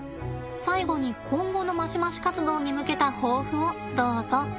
最後に今後のマシマシ活動に向けた抱負をどうぞ。